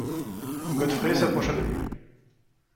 Godfrey s’approcha de lui.